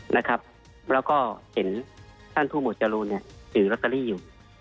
นะครับแล้วก็เห็นท่านธุหมดจรูเนี่ยถือลอตเตอรี่อยู่